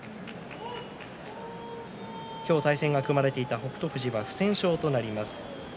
対戦が組まれていた北勝富士は不戦勝となります。